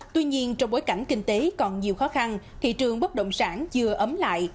tuy nhiên trong bối cảnh kinh tế còn nhiều khó khăn thị trường bất động sản chưa ấm lại